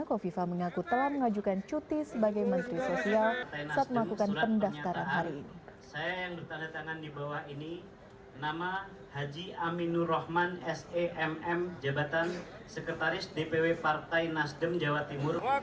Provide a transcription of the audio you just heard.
kofifa mengaku telah mengajukan cuti sebagai menteri sosial saat melakukan pendaftaran hari ini